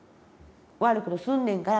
悪いことすんねんからって。